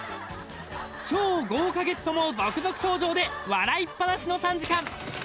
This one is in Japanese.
超豪華ゲストも続々登場で笑いっぱなしの３時間！